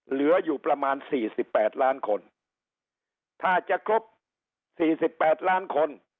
เหลืออยู่ประมาณสี่สิบแปดล้านคนถ้าจะครบสี่สิบแปดล้านคน